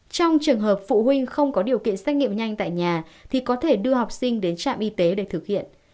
trong trường hợp phụ huynh không có điều kiện xét nghiệm nhanh tại nhà thì có thể đưa học sinh đến trạm y tế để thực hiện